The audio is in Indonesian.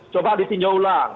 coba di tinjau ulang